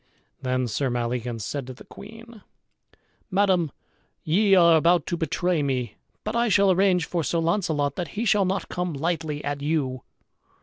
Then Sir Maleagans said to the queen, "Madam, ye are about to betray me, but I shall arrange for Sir Launcelot that he shall not come lightly at you."